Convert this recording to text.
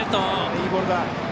いいボールだ！